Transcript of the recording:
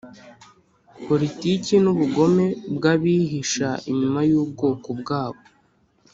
politiki n'ubugome bw'abihisha inyuma y'ubwoko bwabo,